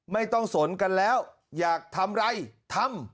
ไม่ต้องสนกันแล้วอยากทำอะไรทำ